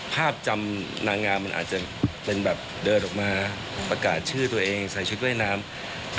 ภาพจำนางงามมันอาจจะเป็นแบบเดินออกมาประกาศชื่อตัวเองใส่ชุดว่ายน้ำ